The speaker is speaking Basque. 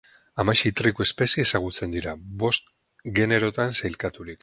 Hamasei triku espezie ezagutzen dira, bost generotan sailkaturik.